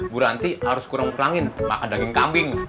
bu ranti harus kurang pelangin makan daging kambing